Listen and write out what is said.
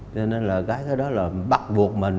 cho nên là cái đó là bắt buộc mình